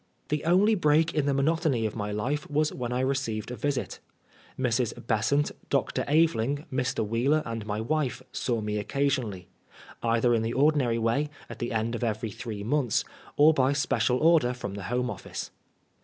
The only break in the monotony of my life was when I received a visit. Mrs. Besant, Dr. Aveling^ Mr. Wheeler and my wife, saw me occasionally ; either in the ordinary way, at the end of every three months^ or by special order from the Home Of&ce.